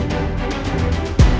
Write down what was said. kenapa sih ma